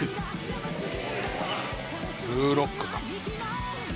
『ブルーロック』か。